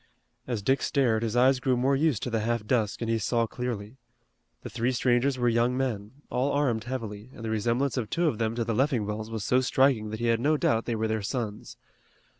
As Dick stared his eyes grew more used to the half dusk and he saw clearly. The three strangers were young men, all armed heavily, and the resemblance of two of them to the Leffingwells was so striking that he had no doubt they were their sons.